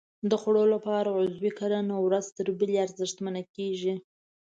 د خوړو لپاره عضوي کرنه ورځ تر بلې ارزښتمنه کېږي.